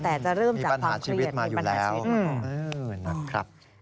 แต่จะเริ่มจากความเครียดเป็นปัญหาชิด